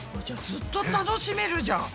ずっと楽しめるじゃん。